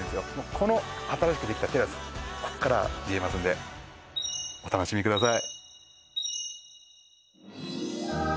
この新しくできたテラスこっから見えますんでお楽しみください